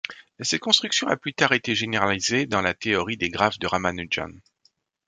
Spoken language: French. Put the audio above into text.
Cette construction a plus tard été généralisée dans la théorie des graphes de Ramanujan.